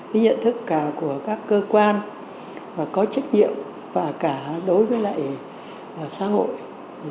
cái nhận thức cả của các cơ quan và có trách nhiệm và cả đối với lại xã hội